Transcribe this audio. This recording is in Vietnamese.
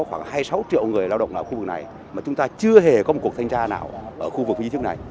khoảng hai mươi sáu triệu người lao động ở khu vực này mà chúng ta chưa hề có một cuộc thanh tra nào ở khu vực ý thức này